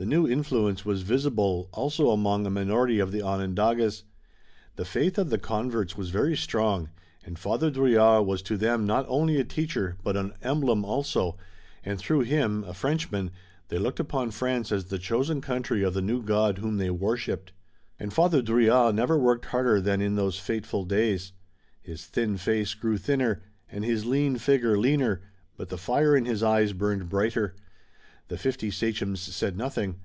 The new influence was visible also among a minority of the Onondagas. The faith of the converts was very strong, and Father Drouillard was to them not only a teacher but an emblem also, and through him, a Frenchman, they looked upon France as the chosen country of the new God whom they worshiped. And Father Drouillard never worked harder than in those fateful days. His thin face grew thinner, and his lean figure leaner, but the fire in his eyes burned brighter. The fifty sachems said nothing.